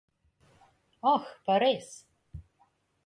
Oh, pa res.